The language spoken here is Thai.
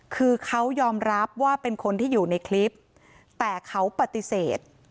คือเขายอมรับว่าเป็นคนที่อยู่ในคลิปแต่เขาปฏิเสธ